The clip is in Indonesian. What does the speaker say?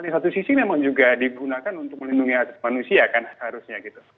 di satu sisi memang juga digunakan untuk melindungi hak manusia kan harusnya gitu